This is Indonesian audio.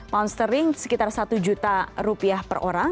pound sterling sekitar satu juta rupiah per orang